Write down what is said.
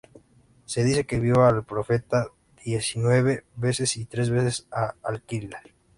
Se dice que vio al profeta diecinueve veces y tres veces a al-Khidr.